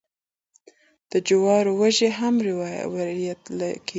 د جوارو وږي هم وریت کیږي.